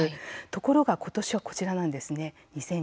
ところが今年はこちらなんですね